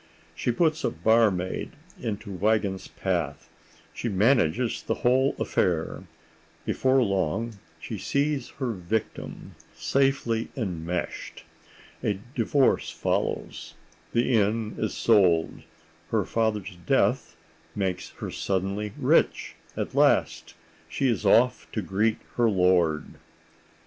She puts a barmaid into Wiegand's path; she manages the whole affair; before long she sees her victim safely enmeshed. A divorce follows; the inn is sold; her father's death makes her suddenly rich—at last she is off to greet her lord!